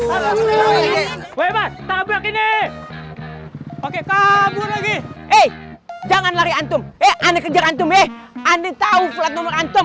oke kabur lagi jangan lari antum kejar antum